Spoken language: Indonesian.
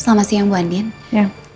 selamat siang bu andien ya